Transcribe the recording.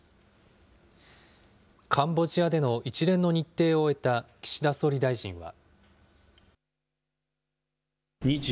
カンボジアでの一連の日程を終えた岸田総理大臣は。